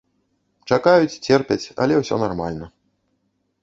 Чакаюць, церпяць, але ўсё нармальна.